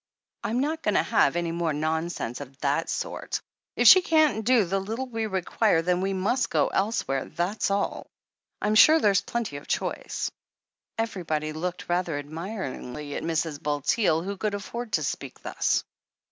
I'm not going to have any more nonsense of that sort. If she can't do the little we require, then we must go elsewhere, that's all. I'm sure there's plenty of choice." Everybody looked rather admiringly at Mrs. Bulteel, who could afford to speak thus.